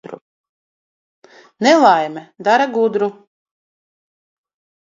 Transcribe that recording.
Nelaime dara gudru.